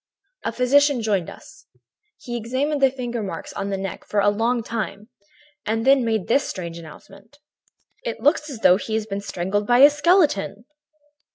"A physician joined us. He examined the finger marks on the neck for a long time and then made this strange announcement: "'It looks as though he had been strangled by a skeleton.'